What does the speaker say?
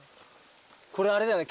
これあれだよね。